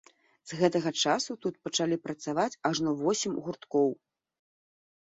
З гэтага часу тут пачалі працаваць ажно восем гурткоў.